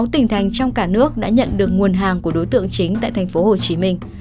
sáu tỉnh thành trong cả nước đã nhận được nguồn hàng của đối tượng chính tại thành phố hồ chí minh